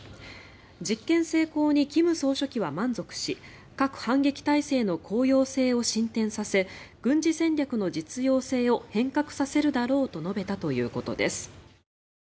実験成功に金総書記は満足し核反撃態勢の効用性を進展させ軍事戦略の実用性を変革させるだろうと述べたということです。